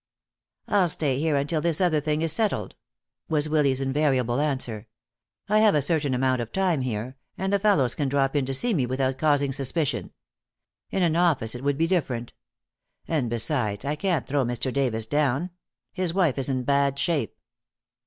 "I'll stay here until this other thing is settled," was Willy's invariable answer. "I have a certain amount of time here, and the fellows can drop in to see me without causing suspicion. In an office it would be different. And besides, I can't throw Mr. Davis down. His wife is in bad shape."